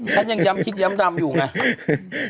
ฉันยังย้ำคิดย้ำดำอยู่ไง